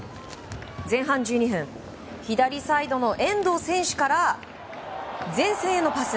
前半１２分左サイドの遠藤選手から前線へのパス！